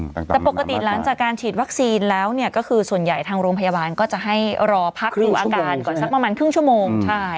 แต่ปกติหลังจากการฉีดวัคซีนแล้วเนี่ยก็คือส่วนใหญ่ทางโรงพยาบาลก็จะให้รอพักดูอาการก่อนสักประมาณครึ่งชั่วโมงใช่